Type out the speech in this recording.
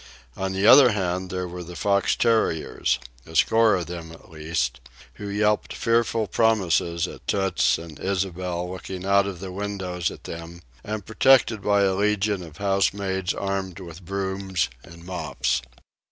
On the other hand, there were the fox terriers, a score of them at least, who yelped fearful promises at Toots and Ysabel looking out of the windows at them and protected by a legion of housemaids armed with brooms and mops.